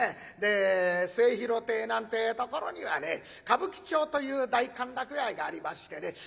で末廣亭なんてえところにはね歌舞伎町という大歓楽街がありましてね。